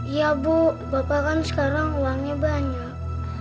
iya bu bapak kan sekarang uangnya banyak